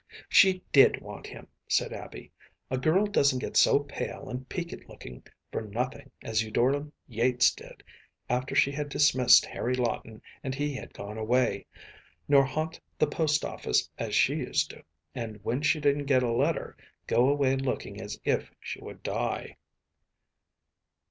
‚ÄĚ “She did want him,‚ÄĚ said Abby. “A girl doesn’t get so pale and peaked looking for nothing as Eudora Yates did, after she had dismissed Harry Lawton and he had gone away, nor haunt the post office as she used to, and, when she didn’t get a letter, go away looking as if she would die.